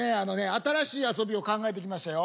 新しい遊びを考えてきましたよ。